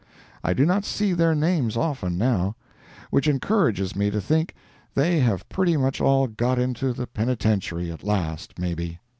I do not see their names often, now—which encourages me to think they have pretty much all got into the Penitentiary at last, maybe.